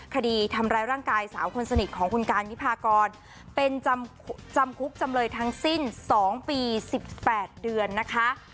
คดีทำร้ายร่างกายสาวคนสนิทของคุณการวิพากรเป็นจำคุกจำเลยทั้งสิ้น๒ปี๑๘เดือนนะคะ